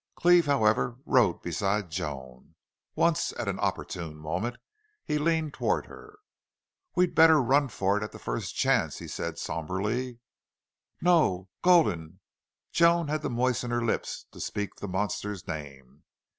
Cleve, however, rode beside Joan. Once, at an opportune moment, he leaned toward her. "We'd better run for it at the first chance," he said, somberly. "No!... GULDEN!" Joan had to moisten her lips to speak the monster's name.